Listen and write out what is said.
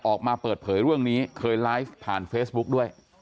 ออกมาเปิดเผยเรื่องนี้เคยไลฟ์ผ่านเฟซบุ๊กด้วย